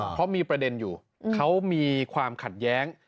เพราะมีประเด็นอยู่เขามีความขัดแย้ง